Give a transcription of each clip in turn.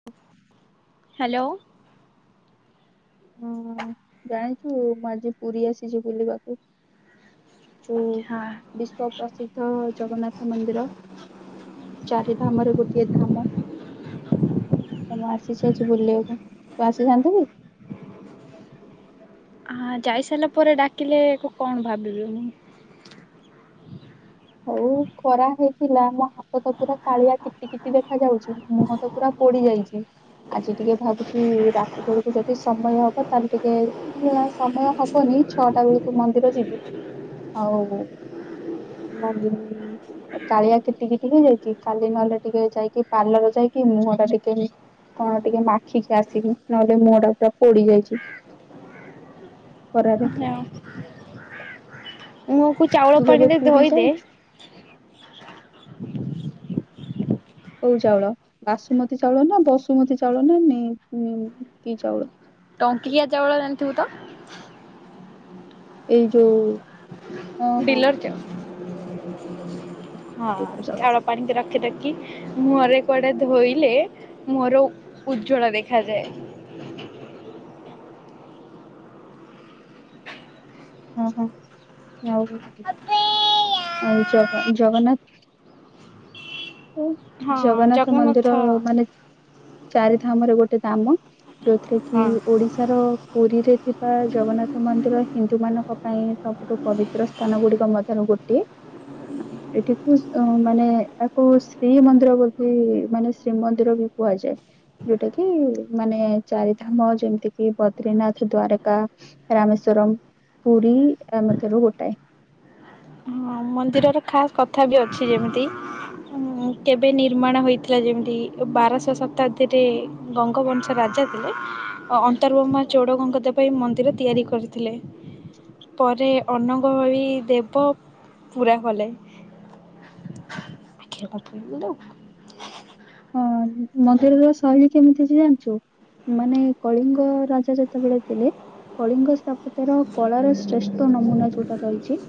[inaudible] Hello ହୁଁ ଜାଣିଛୁ ମୁଁ ଆଜି ପୁରୀ ଆସିଛି ବୁଲିବାକୁ। ହୁଁ ହଁ ବିଶ୍ଵ ପ୍ରସିଦ୍ଧ ଜଗନ୍ନାଥ ମନ୍ଦିର ଚାରିଧାମ ରେ ଗୋଟିଏ ଧାମ ଆମେ ଆସିଛୁ ଆଜି ବୁଲିବା ପାଇଁ ତୁ ଆସିଥାନ୍ତୁ କି? ହଁ ଯାଇସାରିଲା ପରେ ଡାକିଲେ କଣ ଭାବିବି ମୁଁ ହଉ ଖରା ହେଉଥିଲା ହେଲା ହାତ ତ ପୁରା କାଳିଆ କିଟି କିିଟି ଦେଖା ଯାଉଛି ମୁହଁ ତ ପୁରା ପୋଡି ଯାଇଛି ଆଜି ଟିକେ ମୁଁ ଭାବୁଛି ରାତି ବେଳକୁ ଯଦି ସମୟ ହବ ତାହେଲେ ଟିକେ ଆଉ ସମୟ ହବ? ତାକୁ ନେଇ ଛଅଟା ବେଳକୁ ମନ୍ଦିର ଯିବି ଆଉ ମନ୍ଦିର ମୁଁ କାଳିଆ କିଟି କିଟି ହେଇ ଯାଇକି କାଲି ନହେଲେ ଟିକେ ଯାଇକି ପାର୍ଲର ଯାଇକି ମୁହଁ ଟା ଟିକେ କଣ ଟିକେ ମାଖିକି ଆସିକି ନହେଲେ ମୁଁହ ଟାକୁ ପୁରା ପୋଡି ଯାଇଛି। ଖରା ରେ। ମୁଁ ମୁହଁକୁ ଚାଉଳ ତୁ କେବେ ପାଣିରେ ପୁରୀ ଧୋଇଦେ ଯାଇଛୁ କଉ ଚାଉଳ ବାସୁମତୀ ଚାଉଳ ନା ବସୁମତୀ ଚାଉଳ ନା ମେ କି ଚାଉଳ? ଟଙ୍କିଖିଆ ଚାଉଳ ଜାଣିଥିବୁ ତ ଏଇ ଯୋଉ ହଁ ହଁ ଡିଲର ଚାଉଳ ହଁ ଚାଉଳ ଜଗନ୍ନାଥ ପାଣି କି ରଖି ରଖି ମୁହଁରେ କୁଆଡେ ଧୋଇଲେ ମୁହରୁ ଉଜ୍ଜଳ ଦେଖାାଯାଏ। ହଁ, ହଁ, ଆଉ ଆଉ ଜଗ ଜଗନ୍ନାଥ। ଉ ଜଗନ୍ନାଥ ମନ୍ଦିର ମାନେ ଚାରି ଧାମରେ ଗୋଟେ ଧାମ ଯୋଉଥିରେ କି ହଁ ଓଡିଶାର ପୁରୀରେ ଥିବା ଜଗନ୍ନାଥ ମନ୍ଦିର ହିନ୍ଦୁ ମାନଙ୍କ ପାଇଁ ସବୁଠୁ ପବିତ୍ର ସ୍ଥାନ ଗୁଡିକ ମଧ୍ୟରୁ ଗୋଟିଏ ଆମେ ଏଠିକୁ ମାନେ ଏହାକୁ ଶ୍ରୀମନ୍ଦିର ବୋଲି ମାନେ ଶ୍ରୀମନ୍ଦିର ବି କୁହାଯାଏ। ଯୋଉଟା କି ମାନେ ଚାରି ଧାମ ଯେମିତି କିି ବଦ୍ରିନାଥ ଦ୍ଵାରକା। ରାମେଶ୍ୱରମ୍, ପୁରୀ ଆ ମଧ୍ୟରୁ ଗୋଟାଏ। ହଁ ମନ୍ଦିରର ଖାସ୍ କଥା ବି ଅଛି ଯେମିତି ଉ କେବେ ନିର୍ମାଣ ହେଇଥିଲା ଯେମିତି ବାରଶହ ଶତାବ୍ଦୀରେ ଗଙ୍ଗବଂଶ ରାଜା ଥିଲେ ଅନ୍ତର୍ବମା ଚୋଡ ଗଙ୍ଗ ଦେବ ଏଇ ମନ୍ଦିର ତିଆରି କରିଥିଲେ। [inaudible] ପରେ ଅନଙ୍ଗ ଏଇ ଦେବ ପୁରା ହଲେ [unintelligible] ହଁ ମନ୍ଦିର ର ଶୈଳୀ କେମିତି ଅଛି ଜାଣିଛୁ? ମାନେ କଳିଙ୍ଗ ରାଜା ଯେତେବେଳେ ଥିଲେ କଳିଙ୍ଗ ସ୍ଥାପତ୍ୟ ର କଳାର ଶ୍ରେଷ୍ଠ ନମୁନା ଯୋଉଟା ରହିଛି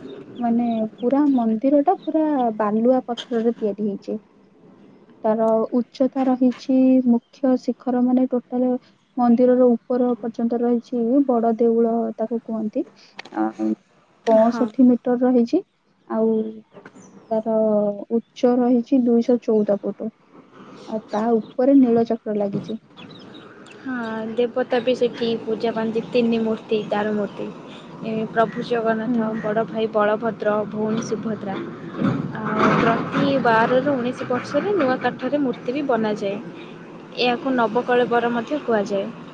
ମାନେ ପୁରା ମନ୍ଦିର ଟା ପୁରା ବାଲୁଆ ପଥରରେ ତିଆରି ହେଇଛି। ତାର ଉଚ୍ଚତା ରହିଛି ମୁଖ୍ୟ ଶିଖର ମାନେ ଟୋଟାଲ୍ ମନ୍ଦିର ର ଉପର ପର୍ଯ୍ୟନ୍ତ ରହିଛି ବଡ ଦେଉଳ ତାକୁ କୁହନ୍ତି। ଆ ଆଉ ହଁ। ପଅଷଠି ମିଟର ହେଇଛି ଆଉ ତାର ଉଚ୍ଚ ରହିଛି ଦୁଇଶହ ଚଉଦ ପୁଟୁ। ଆଉ ତା ଉପରେ ନୀଳ ଚକ୍ର ଲାଗିଛି। ହଁ, ଦେବତା ବି ସେଇଠି ପୂଜା ପାନ୍ତି ତିନି ମୂର୍ତ୍ତି, ଦାରୁ ମୂର୍ତ୍ତି। ଏ ପ୍ରଭୁ ହୁଁ ଜଗନ୍ନାଥ ବଡ ଭାଇ ବଳଭଦ୍ର, ଭଉଣୀ ସୁଭଦ୍ରା, ଆଉ ପ୍ରତି ବାରରୁ, ଉଣେଇଶ ବର୍ଷରେ ନୂଆ କାଠରେ ମୂର୍ତ୍ତି ବି ବନାଯାଏ। ଏହକୁ ନବକଳେବର ବର ମଧ୍ୟ କୁହାଯାଏ [unintelligible]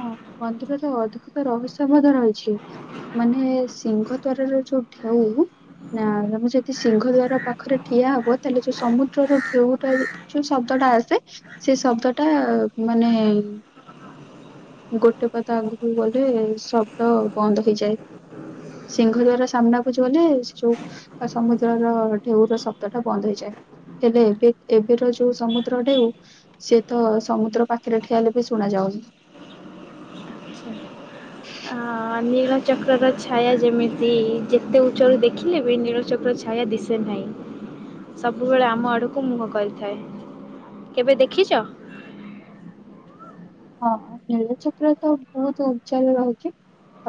ହଁ, ମନ୍ଦିରରେ ଅଧିକତା ରହସ୍ୟ ମଧ୍ୟ ରହିଛି। ମାନେ ସିଂହ ଦ୍ୱାର ର ଯୋଉ ଢେଉ ନା ତମେ ଯଦି ସିଂହ ଦ୍ଵାର ପାଖରେ ଠିଆ ହବ ତାହେଲେ ଯୋଉ ସମୁଦ୍ରର ଢେଉଟା ଯୋଉ ଶବ୍ଦ ଟା ଆସେ ସେ ଶବ୍ଦ ଟା ମାନେ ଗୋଟେ ପାଦ ଆଗକୁ ଗଲେ ଶବ୍ଦ ବନ୍ଦ ହେଇଯାଏ। ସିଂହ ଦ୍ଵାରା ସାମ୍ନାକୁ [unintelligible] ତ ସମୁଦ୍ରର ଢେଉର ଶବ୍ଦ ଟା ବନ୍ଦ ହେଇଯାଏ। ହେଲେ ଏବେ ଏବେର ଯୋଉ ସମୁଦ୍ର ଢେଉ ସିଏ ତ ସମୁଦ୍ର ପାଖରେ ଠିଆ ହେଲେ ବି ଶୁଣା ଯାଉନି। ଆ ନୀଳଚକ୍ରର ଛାୟା ଯେମିତି ଯେତେ ଉଚ୍ଚରୁ ଦେଖିଲେ ବି ନୀଳଚକ୍ର ଛାୟା ଦିଶ ଶେ ନାହିଁ ସବୁବେଳେ ଆମ ଆଡ଼କୁ ମୁହଁ କରିଥାଏ। କେବେ ଦେଖିଛ? ହଁ ନୀଳଚକ୍ର ତ ବହୁତୁ ଉଞ୍ଚାରେ ରହିଛି।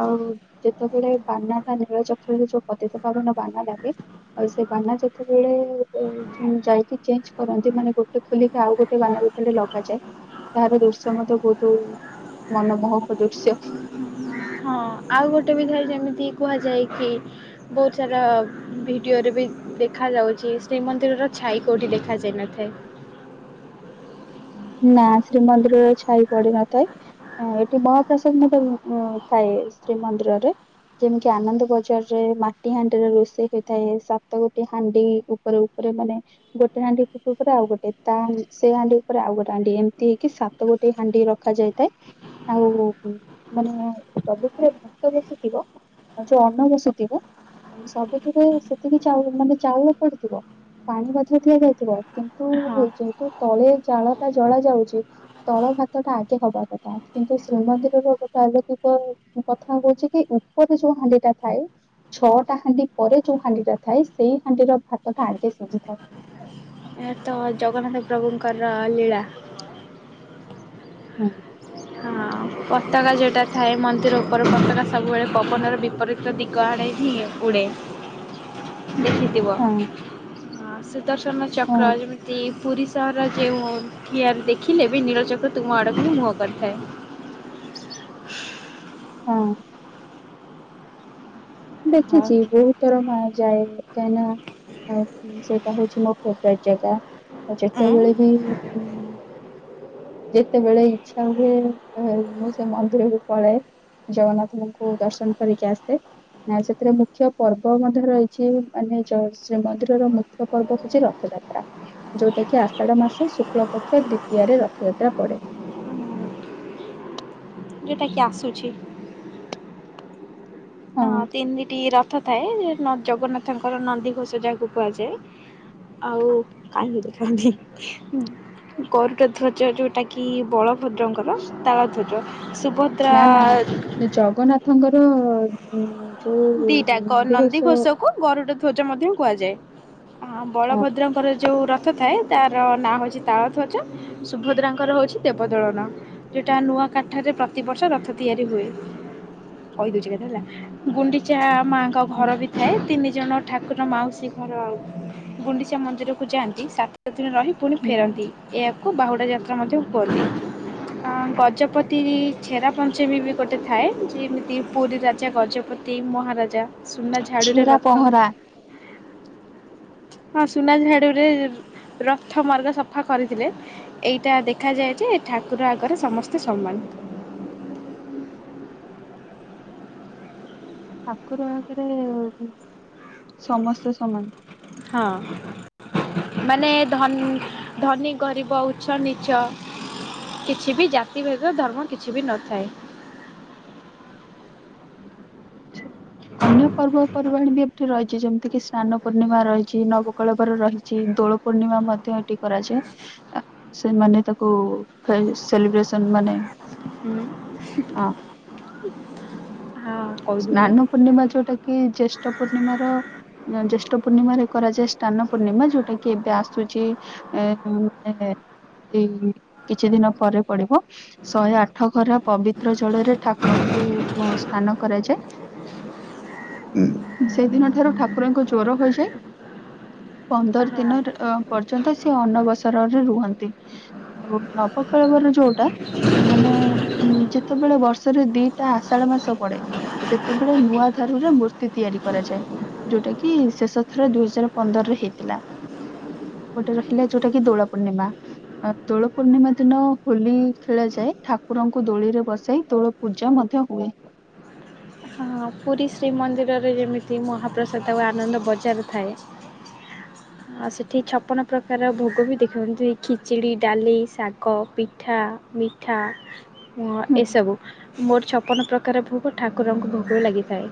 ଆଉ ଯେତେବେଳେ ବାନା ଟା ନୀଳଚକ୍ରରେ ଯୋଉ ପତିିତପାବନ ବାନା ଲାଗେ। ଆଉ ସେ ବାନା ଯେତେବେଳେ ଯାଇ ଚେ-ଯାଇକି ଚେଞ୍ଜ କରନ୍ତି ମାନେ ଗୋଟେ ଖୋଲିକି ଆଉ ଗୋଟେ ବାନା ସେଠି ଲଗାଯାଏ। ତାହାର ଦୃଶ୍ୟ ମଧ୍ୟ ବହୁତୁ ମନମୋହକ ଦୃଶ୍ୟ। ହଁ ଆଉ ଗୋଟେ ବିଧରେ ଯେମିତି କୁହାଯାଏ କି ବହୁତ ସାରା ଭିଡ଼ିଓରେ ବି ଦେଖାଯାଉଛି ଶ୍ରୀମନ୍ଦିରର ଛାଇ କୋଉଠି ଦେଖାଯାଇନଥାଏ। ନା ଶ୍ରୀମନ୍ଦିରର ଛାଇ ପଡି ନଥାଏ। ଅଁ, ଏଠି ମହାପ୍ରସାଦ ମଧ୍ୟ ଅଁ, ଥାଏ ଶ୍ରୀମନ୍ଦିରରେ। ଯେମିତି ଆନନ୍ଦ ବଜାର ରେ ମାଟି ହାଣ୍ଡିରେ ରୋଷେଇ ହେଇଥାଏ ସାତ ଗୋଟି ହାଣ୍ଡି ଉପରେ। ରେ ମାନେ ଗୋଟେ ହାଣ୍ଡି ଉ-ଉପରେ ଆଉ ଗୋଟେ ତା ସେ ହାଣ୍ଡି ଉପରେ ଆଉ ଗୋଟେ ହାଣ୍ଡି ଏମିତି ହେଇକି ସାତ ଗୋଟି ହାଣ୍ଡି ରଖାଯାଇଥାଏ। ଆଉ ଉ, ମାନେ ପ୍ରଭୃତିରେ ଭାତ ବେଶି ଥିବ। ଆଉ ଯୋଉ ଅନ୍ନ ବସୁଥିବ ଉଁ, ସବୁଥିରେ ସେତିକି ଚାଉଳ ମାନେ ଚାଉଳ ପଡିଥିବ ପାଣି ମଧ୍ୟ ଦିଆଯାଇଥିବ କିନ୍ ତୁ ହଁ। ଯେହେତୁ ତଳେ ଜାଳ ଟା ଜଳା ଯାଉଛି ତଳ ଭାତ ଟା ଆଗେ ହବା କଥା। କିନ୍ତୁ ଶ୍ରୀମନ୍ଦିରର ଗୋଟେ ଅଲୌକିକ କଥା ହଉଛି କି ଉପରେ ଯୋଉ ହାଣ୍ଡି ଟା ଥାଏ ଛଅଟା ହାଣ୍ଡି ପରେ ଯୋଉ ହାଣ୍ଡି ଟା ଥାଏ ସେଇ ହାଣ୍ଡିର ଭାତ ଟା ଆଗେ ସିଝି ଥାଏ। ଏ ତ ଜଗନ୍ନାଥ ପ୍ରଭୁଙ୍କର ଲୀଳା। ହଁ। ହଁ ପତାକା ଯେଟା ଥାଏ ମନ୍ଦିର ଉପରେ ପତାକା ସବୁବେଳେ ପବନର ବିପରୀତ ଦିଗ ଆଡ଼େ ହିଁ ଉଡ଼େ। ହ ଦେଖିଥିବ। ଆ, ସୁଦର୍ଶନ ହଁ ଚକ୍ର ଯେମିତି ପୁରୀ ତାର ଯେଉଁ ଠିଆ ଦେଖିଲେ ବି ନୀଳଚକ୍ର ତୁମ ଆଡ଼କୁ ହିଁ ମୁହଁ କରିଥାଏ। ହଁ। ହଁ ଦେଖିଛି ବହୁତ ଥର ମା ଯାଏ କାହିଁକି ନା ଅଁ, କି ସେଇଟା ହଉଛି ମୋ ଫେବରାଇଟ୍ ଜାଗା। ଆଉ ଯେତେବେଳେ ବି ମୁଁ ଯେତେବେଳେ ଇଚ୍ଛା ହୁଏ ଆଉ ମୁଁ ସେ ମନ୍ଦିରକୁ ପଳାଏ। ଜଗନ୍ନାଥଙ୍କୁ ଦର୍ଶନ କରିକି ଆସେ। ନା ସେଥିରେ ମୁଖ୍ୟ ପର୍ବ ମଧ୍ୟ ରହିଛି ମାନେ ଯୋ ଶ୍ରୀମନ୍ଦିରର ମୁଖ୍ୟ ପର୍ବ ହଉଛି ରଥଯାତ୍ରା। ଯୋଉଟା କି ଆଷାଢ ମାସ ଶୁକ୍ଳ ପକ୍ଷ ଦ୍ଵିତୀୟାରେ ରଥଯାତ୍ରା ପଡେ। ଯୋଉଟା କି ଆସୁଛି। ହଁ ତିନିଟି ରଥ ଥାଏ। ଯେ ନ- ଜଗନ୍ନାଥଙ୍କର ନନ୍ଦିଘୋଷ ଯାହାକୁ କୁହାଯାଏ। ଆଉ କାହିଁକି ଦେଖାନି। ଗରୁଡ଼ ଧ୍ୱଜ ଯୋଉଟା କିି ବଳଭଦ୍ରଙ୍କର ତାଳଧ୍ୱଜ। ସୁଭ ନା ନା ଯେ ଜଗନ୍ନାଥଙ୍କର ଉଁ, ଯୋଉ ନନ୍ଦିଘୋଷ ଗରୁଡଧ୍ୱଜ ମଧ୍ୟ କୁହାଯାଏ। ହଁ ବଳଭଦ୍ରଙ୍କର ଯେଉ ରଥ ଥାଏ ତାର ନାଁ ହଉଚି ତାଳଧ୍ୱଜ! ସୁଭଦ୍ରାଙ୍କର ହଉଚି ଦେବଦଳନ! ଯୋଉଟା ନୂଆ କାଠରେ ପ୍ରତିବର୍ଷ ରଥ ତିଆରି ହୁଏ! କହି ଦଉଚି ଏକାଥର ହେଲା ଗୁଣ୍ଡିଚା ମାଙ୍କ ହୁଁ ଘର ବି ଥାଏ! ତିନିଜଣ ଠାକୁର ମାଉସୀ ଘର ଆଉ ଗୁଣ୍ଡିଚା ମନ୍ଦିରକୁ ଯାଆନ୍ତି! ସାତ ଦିନ ରହି ପୁଣି ହୁଁ, ଫେରନ୍ତି! ଏଆକୁ ବାହୁଡ଼ା ଯାତ୍ରା ମଧ୍ୟ କୁହନ୍ତି! ହଁ ଗଜପତି ଛେରା ପଞ୍ଚମୀ ବି ଗୋଟେ ଥାଏ! ଯେମିତି ପୁରୀ ରାଜା ଗଜପତି ତିମ୍ ମହାରାଜା ସୁନା ଝାଡ଼ୁରେ ଛେରା ରଥ [inaudible] [inaudible] ହଁ ସୁନା ଝାଡୁ ରେ ରଥ ମର୍ଗ ସଫା କରିଥିଲେ! ଏଇଟା ଦେଖା ଯାଏଯେ ଠାକୁର ଆଗରେ ସମସ୍ତେ ସମ୍ମାନ! ଠାକୁର ଆଗରେ ସମସ୍ତେ ସମାନ! ହଁ! ମାନେ ଧନ ଧନୀ ଗରିବ ଉଚ ନିଚ କିଛି ବି ଜାତି ଭେଦ ଧର୍ମ କିଚି ବି ନଥାଏ! ଅଛି। ଅନ୍ୟ ପର୍ବପର୍ବାଣୀ ବି ଏମତି ରହିଚି, ଯେମିତିକି ସ୍ନାନ ପୂର୍ଣ୍ଣିମା ରହିଛି, ନବେକଳବର ରହିଚି, ଦୋଳ ପୂର୍ଣ୍ଣିମା ମଧ୍ୟ ଏଠି କରାଯାଏ! ଆ ସେମାନେ ତାକୁ ଫେ ସେଲିବ୍ରେସନ ମାନେ ହୁଁ! ହଁ [unintelligible] ହା ଅ ସ୍ନାନ ପୂର୍ଣ୍ଣିମା ଯୋଉଟା କି ଜ୍ୟେଷ୍ଠ ପୂର୍ଣ୍ଣିମାର ଏଁ ଜ୍ୟେଷ୍ଠ ପୂର୍ଣ୍ଣିମାରେ କରାଯାଏ ସ୍ନାନ ପୂର୍ଣ୍ଣିମା, ଯୋଉଟା କି ଏବେ ଆସୁଚି ଏଁ ବୁ ଏଁ ଏଇ କିଛି ଦିନ ପରେ ପଡିବ! ଶହେ ଆଠ ଘର ପବିତ୍ର ଜଳରେ ଠାକୁରଙ୍କୁ ସ୍ନାନ କରାଯାଏ! ଉଁ ସେଇଦିନ ଠାରୁ ଠାକୁରଙ୍କୁ ଜ୍ୱର ହୋଇଯାଏ! ପନ୍ଦର ହଁ ଦିନ ରେ ଅ ପର୍ଯ୍ୟନ୍ତ ସେ ଅନବସରରେ ରୁହନ୍ତି! ଓ ନବକଳବର ଯୋଉଟା ମାନେ ଉଁ ଯେତେବେଳେ ବର୍ଷରେ ଦିଟା ଆଷାଢ ମାସ ପଡେ! ସେତେବେଳେ ନୂଆ ଧାରୁରେ ମୂର୍ତ୍ତି ତିଆରି କରାଯାଏ! ଯୋଉଟା କି ଶେଷ ଥର ଦୁଇ ହଜାର ପନ୍ଦରରେ ହେଇଥିଲା! ଏପେଟେ ରହିଲା ଯୋଉଟା କି ଦୋଳ ପୂର୍ଣ୍ଣିମା! ଏଁ ଦୋଳ ପୂର୍ଣ୍ଣିମା ଦିନ ହୋଲି ଖେଳଯାଏ! ଠାକୁରଙ୍କୁ ଦୋଳିରେ ବସାଇ ଦୋଳ ପୂଜା ମଧ୍ୟ ହୁଏ! ହଁ ପୁରୀ ଶ୍ରୀମନ୍ଦିରରେ ଯେମିତି ମହାପ୍ରସାଦ ଆଉ ଆନନ୍ଦ ବଜାର ଥାଏ! [inaudible] [unintelligible] ଆ ସେଠି ଛପନ ପ୍ରକାର ଭୋଗ ବି ଦେଖନ୍ତି, ଖିଚିଡ଼ି, ଡାଲି, ଶାଗ, ପିଠା, ମି ଠା ହୁଁ, ଏସବୁ ମୋର ଛପନ ପ୍ରକାର ଭୋଗ ଠାକୁରଙ୍କୁ ଭୋ ଯୋ ଲାଗିଥାଏ!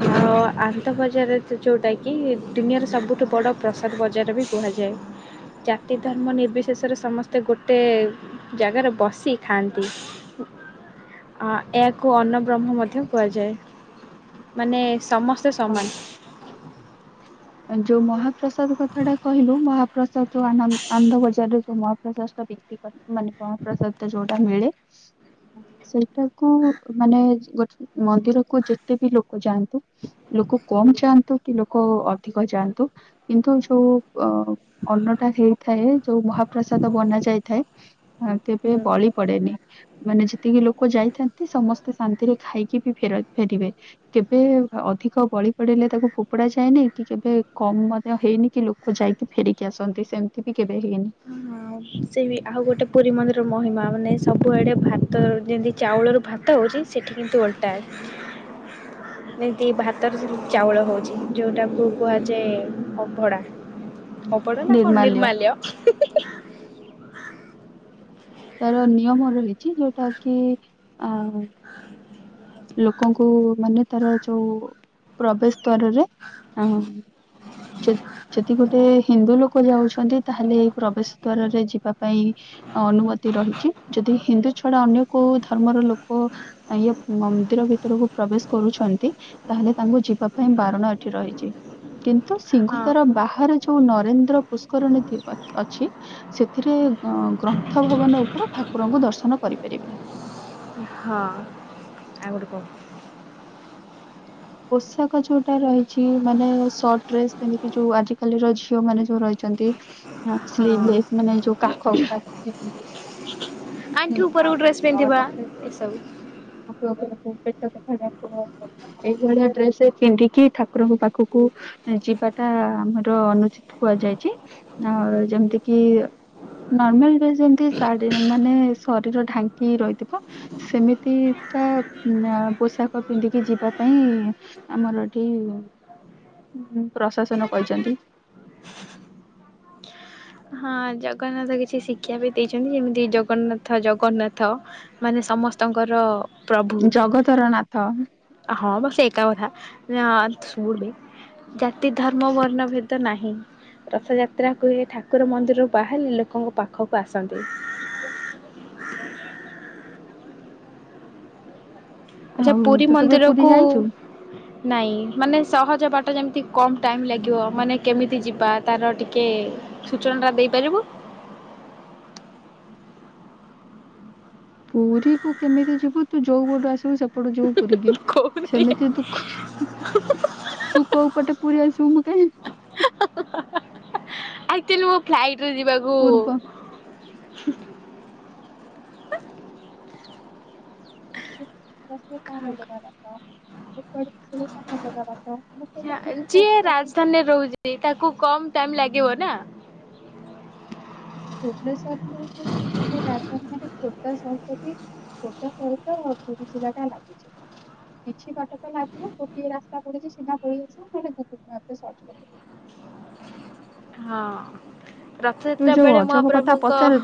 ଆ ଅ ଆନନ୍ଦ ବଜାର ଯୋଉଟା କି ଦୁନିଆର ସବୁଠୁ ବଡ଼ ପ୍ରସାଦ ବଜାର ବି କୁହା ଯେଉଁ ଜାତି ଧର୍ମ ନିର୍ବିଶେଷରେ ସମସ୍ତେ ଗୋଟେ ଜାଗାରେ ବସି ଖାଆନ୍ତୁ! ଉଁ ଅ ଏହାକୁ ଅନ୍ନବ୍ରହ୍ମ ମଧ୍ୟ କୁହାଯାଏ! ମାନେ ସମସ୍ତେ ହଁ ସମାନ! ଯୋଉ ମହାପ୍ରସାଦ କଥାଟା କହିଲୁ ମହା ଯୋଉ ଆନ ଆନନ୍ଦ ବଜାରରେ ଯୋଉ ମହାପ୍ରଶା ବ୍ୟକ୍ତି ମାନେ ମହାପ୍ରସାଦ ଯୋଟା ମିଳେ ସେଇଟାକୁ ମାନେ ଗୋଟେ ମନ୍ଦିରକୁୁ ଯେତେ ବି ଲୋକ ଯାଆନ୍ତୁ। ଲୋକ କମ ଯାଆନ୍ତୁ କି ଲୋକ ଅଧିକ ଯାଆନ୍ତୁ କିନ୍ତୁ ଯୋଉ ଅ ଅନ୍ନଟା ହେଇଥାଏ ଯୋଉ ମହାପ୍ରସାଦ ବନା ଯାଇଥାଏ। ହ ତବେ ବଳି ପଡେନି ମାନେ ଯେତିକି ଲୋକ ଯାଇଥାନ୍ତି ସମସ୍ତେ ଶାନ୍ତିରେ ଖାଇକି ବି ଫେରିବେ। କେବେ ଅଧିକ ବଳି ପଡେଇିଲେ ତାକୁ ଫୋପଡା ଯାଏନହିଁ। କି କେବେ କମ ମଧ୍ୟ ହେଇନି କି ଲୋକ ଯାଇକି ଫେରିକି ଆସନ୍ତି ସେମିତି ବି କେବେ ହେଇନି। ସେଇ ଆଉ ଗୋଟେ ପୁରୀ ମନ୍ଦିର ମହିମା ମାନେ ସବୁଆଡେ ଭାତ ଯେମତି ଚାଉଳ ର ଭାତ ହଉଛି। ସେଠି କିନ୍ତୁ ଓଲ୍ଟା। [inaudible] ଯେମିତି ଭାତରୁ ଚାଉଳ ହଉଛି ଯେଉଟାକୁ କୁହାଯାଏ ଅଭଡ଼ା ଅପଡ଼ ନାଁ ନିର୍ମାଲ୍ୟ ନର୍ମାିଲ ତାର ନିୟମ ରହିଛି ଯୋଉଟା କି ଅ ଲୋକଙ୍କୁ ମାନେ ତାର ଯୋଉ ପ୍ରବେଶ ଦ୍ଵାରରେ ଅ [inaudible] ଯଦି ଗୋଟେ ହିନ୍ଦୁ ଲୋକ ଯାଉଛନ୍ତି। ତାହେଲେ ଏଇ ପ୍ରବେଶ ଦ୍ଵାରରେ ଯିବା ପାଇଁ ଅନୁମତି ରହିଛି, ! ଯଦି ହିନ୍ଦୁ ଛଡା ଅନ୍ୟ କୋଉ ଧର୍ମର ଲୋକ ଇଏ ମନ୍ଦିର ଭିତରକୁ ପ୍ରବେଶ କରୁଛନ୍ତି ତାହେଲେ ତାଙ୍କୁ ଯିବା ପାଇଁ ବାରଣ ଏଠି ରହିଛି। କିନ୍ତୁ ସିଂହ ହଁ ଦାର ବାହାରେ ଯୋଉ ନରେନ୍ଦ୍ର ପୁଷ୍କରଣୀତି ଅଛି,। ସେଥିରେ ଗ୍ରନ୍ଥ ଭବନ ଉପରୁ ଠାକୁରଙ୍କୁ ଦର୍ଶନ କରିପାରିବେ। ହଁ ଆ ଗଟ କହ [unintelligible] ପୋଷାକ ଯୋଉଟା ରହିଛି ମାନେ ସଟ ଡ୍ରେସ ପିନ୍ଧିକି ଯୋଉ ଆଜି କାଲିର ଝିଅ ମାନେ ଯୋଉ ରହିଛନ୍ତି। ହ ହଁ ସ୍ଲିପ ମାନେ ଯୋଉ କାଖ ହୁଁ ଆଣ୍ଠୁ ଆଉ ଉପରକୁ ଡ୍ରେସ୍ ପିନ୍ଧିବା ସର୍ଟ ଡ୍ରେସ ଏସବୁ। [inaudible] ଏଇଭଳିଆ ଡ୍ରେସ ପିନ୍ଧିକି ଠାକୁରଙ୍କ ପାଖକୁ ଯିବାଟା ଆମର ଅନୁଚିତ କୁହାଯାଇଛି ଆ ଯେମିତି କିି ନର୍ମାଲ ଡ୍ରେସ୍ ଯେମିତି ସାଢି ମାନେ ଶରୀର ଢାଙ୍କି ରହିଥିବ ସେମିତି ତା ପୋଷାକ ପିନ୍ଧିକି ଯିବା ପାଇଁ ଆମର ଏଠି ପ୍ରଶାସନ କହିଛନ୍ତି। ହଁ ଜଗନ୍ନାଥ କିଛି ଶିକ୍ଷା ବି ଦେଇଛନ୍ତି। ଯେମିତି ଜଗନ୍ନାଥ ଜଗନ୍ନାଥ। ମାନେ ସମସ୍ତଙ୍କର ପ୍ରଭୁ ଜଗତର ନାଥ। ହଁ ବା ସେଟା କଥା ଅ ଶୁଡ ବେ? ଜାତି ଧର୍ମ ବର୍ଣ୍ଣଭେଦ ନାହିଁ ରଥଯାତ୍ରା କୁହେ ଠାକୁର ମନ୍ଦିର ରୁ ବାହାରି ଲୋକଙ୍କ ପାଖକୁ ଆସନ୍ତି। ଆଚ୍ଛା ଆଉ ପୁରୀ ତୁ କେବେ ମନ୍ଦିର ପୁରୀ କୁ ଯାଇଛୁ? ନାଇଁ ମାନେ ସହଜ ବାଟ ଯେମିତି କମ ଟାଇମ ଲାଗିବ ମାନେ କେମିତି ଯିବା ତାର ଟିକେ ସୂଚନାଟା ଦେଇପାରିବୁ? ପୁରୀ କୁ କେମିତି ଯିବୁ ତୁ ଯୋଉ ପଟୁ ଆସିବୁ ସେ ଯୋଉ ପୁରୀକି କହୁନି ସେମିତି ତୁ ତୁ କୋଉ ପଟେ ପୁରୀ ଆସିବୁ ଆକ୍ଚଆଲି ମୁ ଫ୍ଲାଇଟ୍ ରେ ଯିବାକୁ ପୂର୍ବ। ବ [unintelligible] ଯିଏ ରାଜଧାନୀରେ ରହୁଛି ତାକୁ କମ୍ ଟାଇମ୍ ଲାଗିବ ନା। ଭୁବନେଶ୍ଵର ତ ମାନେ ରାଜଧାନୀ ମାନେ ଖୋର୍ଦ୍ଧା ସହିତ ବି ଖୋର୍ଦ୍ଧା ସହିତ ପୁରୀ ଜିଲ୍ଲା ଟା ଲାଗିଛି କିଛି ବାଟ ତ ଲାଗିବ ଗୋଟିଏ ରାସ୍ତା ପଡୁଛି ସିଧା ପଳେଇ ଆସିବ [unintelligible] ହଁ ତୁ ରଥଯାତ୍ରା ଯୋଉ ବେଳେ ଅଜବ କଥା ମହାପ୍ରଭୁଙ୍କ ପଚାରୁଛୁ